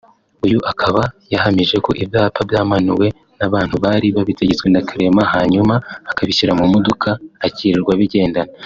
uyu akaba yahamije ko ibyapa byamanuwe n’abantu bari babitegetswe na Clement hanyuma akabishyira mu modoka akirirwa abigendana